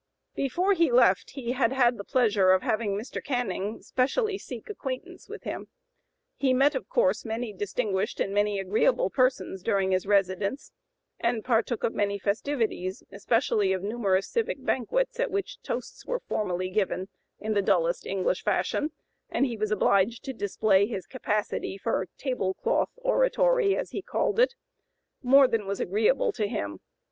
Before he left he had the pleasure of having Mr. Canning specially seek acquaintance with him. He met, of course, many distinguished and many agreeable persons during his residence, and partook of many festivities, especially of numerous civic banquets at which toasts were formally given in the dullest English fashion and he was obliged to display his capacity for "table cloth oratory," as he called it, more than was agreeable to him.